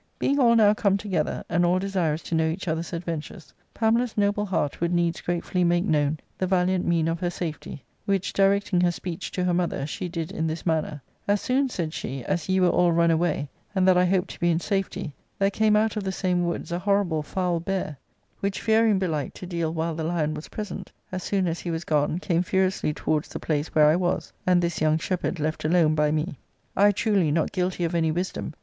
Being all now come together, and all desirous to know each other's p.dventures, Pamela's noble heart would needs gratefully make known the valiant mean of her safety, which, directing her speech to her mother, she did in this manner :" As soon," said she, " as ye were all run away, and that I hoped to be in safety, there came out of the same woods a horrible foul bear, which, fearing, belike, to deal . .I02 ARCADIA.—Book 1. •t' •• I \•*••• 'while tHe lion' was' present, as soon as he was gone, came furiously towards the place where I was, and this young shepherd left alone by me. I truly, not guilty of any wisdom